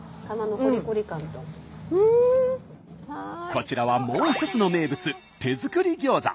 こちらはもう一つの名物手作りギョーザ。